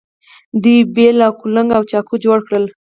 دوی بیل او کلنګ او چاقو جوړ کړل.